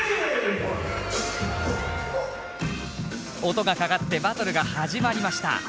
音がかかってバトルが始まりました。